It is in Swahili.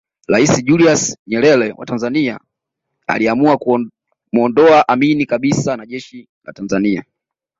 Rais Julius Nyerere wa Tanzania aliamua kumuondoa Amin kabisa na jeshi la Tanzania